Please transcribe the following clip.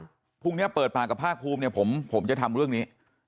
แล้วเดี๋ยวพรุ่งเนี่ยเปิดภาคภาคภูมิเนี่ยผมจะทำเรื่องนี้